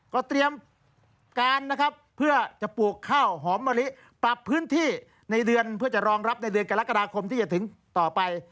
ก็เตรียมการนะครับเพื่อจะปลูกข้าวหอมมะลิปรับพื้นที่ในเดือนเพื่อจะรองรับในเดือนกรกฎาคมที่จะถึงต่อไป